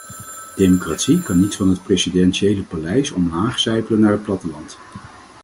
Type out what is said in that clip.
Democratie kan niet van het presidentiële paleis omlaag sijpelen naar het platteland.